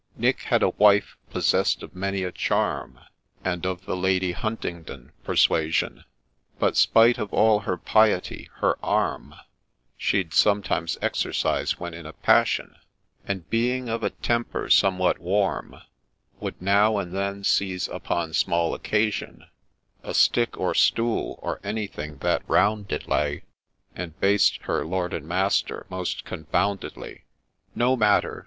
Nick had a wife possessed of many a charm, And of the Lady Huntingdon persuasion ; But, spite of all her piety, her arm She'd sometimes exercise when in a passion ; And, being of a temper somewhat warm, Would now and then seize, upon small occasion, A stick, or stool, or anything that round did lie, And baste her lord and master most confoundedly. No matter